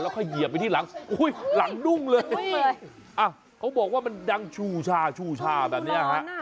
แล้วก็เหยียบไปที่หลังหลังดุ้งเลยเขาบอกว่ามันดังชู่ชูช่าแบบนี้ฮะ